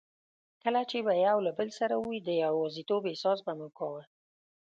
کله چي به یو له بل سره وو، د یوازیتوب احساس به مو کاوه.